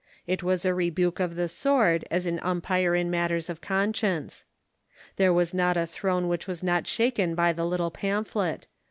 It was a rebuke of the sword as an umpire in matters of conscience. There was not a throne which was not shaken by the little pamphlet.